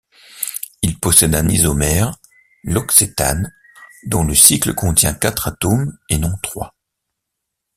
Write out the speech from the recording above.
Il possède un isomère, l'oxétane, dont le cycle contient quatre atomes, et non trois.